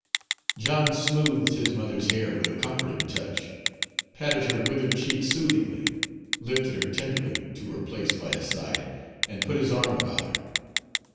John smoothed his mother's hair with a comforting touch, patted her withered cheek soothingly, lifted her tenderly to her place by his side, and put his arm about her.